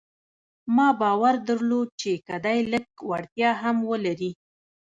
ما باور درلود چې که دی لږ وړتيا هم ولري.